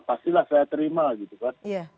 pastilah saya terima gitu kan